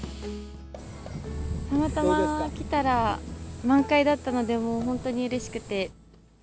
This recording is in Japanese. たまたま来たら満開だったので、もう本当にうれしくて。